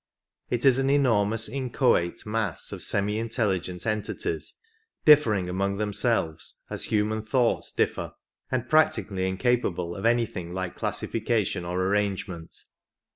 It is an enor mous inchoate mass of semi intelligent entities, differing among themselves as human thoughts differ, and practically incapable of anything like classification or arrangement.